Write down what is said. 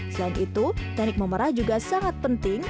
selain itu teknik memerah juga sangat penting